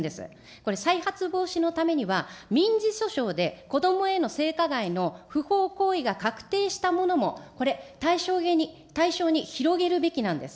これ再発防止のためには、民事訴訟で子どもへの性加害の不法行為が確定したものも、これ、対象に広げるべきなんです。